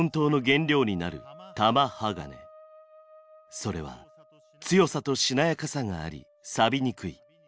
それは強さとしなやかさがありさびにくい。